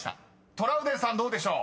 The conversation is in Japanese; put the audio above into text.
［トラウデンさんどうでしょう？］